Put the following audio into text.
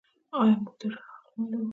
آیا موږ د ژړا حق نلرو؟